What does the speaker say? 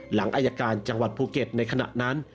หลังอายการจังหวัดภูเก็ตในขณะนั้น